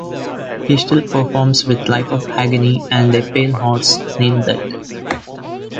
He still performs with Life of Agony and A Pale Horse Named Death.